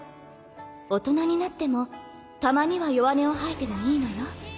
大人になってもたまには弱音を吐いてもいいのよ。